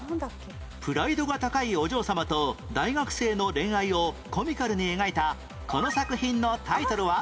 プライドが高いお嬢様と大学生の恋愛をコミカルに描いたこの作品のタイトルは？